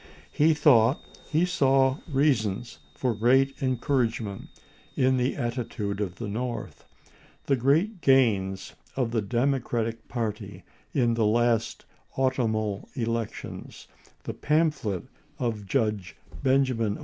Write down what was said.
He thought he saw reasons for great encouragement in the atti tude of the North; the great gains of the Demo cratic party in the last autumnal elections, the pamphlet of Judge Benjamin R.